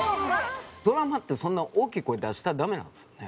ドラマってそんな大きい声出したらダメなんですよね。